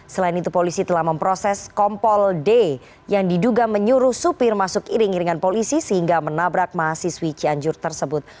selain itu polisi telah memproses kompol d yang diduga menyuruh supir masuk iring iringan polisi sehingga menabrak mahasiswi cianjur tersebut